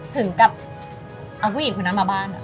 ถึงกับเอาผู้หญิงคนนั้นมาบ้าน